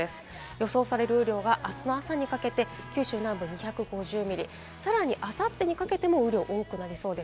予想される雨量があすの朝にかけて九州南部２５０ミリ、さらにあさってにかけても雨量、多くなりそうです。